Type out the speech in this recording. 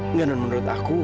enggak non menurut aku